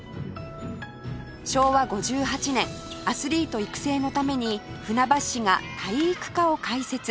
昭和５８年アスリート育成のために船橋市が体育科を開設